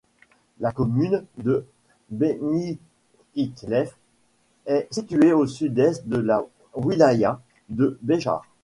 La commune de Beni Ikhlef est située au sud-est de la wilaya de Béchar.